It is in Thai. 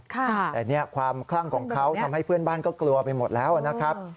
แต่เนี่ยความคลั่งของเขาทำให้เพื่อนบ้านก็กลัวไปหมดแล้วนะครับ